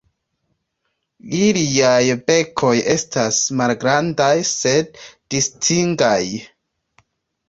Iliaj bekoj estas malgrandaj sed distingaj.